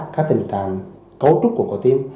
các tình trạng cấu trúc của cậu tim